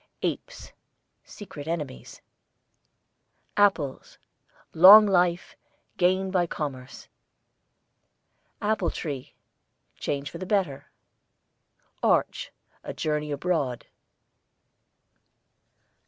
APES, secret enemies. APPLES, long life; gain by commerce. APPLE TREE, change for the better. ARCH, a journey abroad.